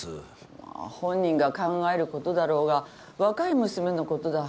まあ本人が考えることだろうが若い娘のことだ。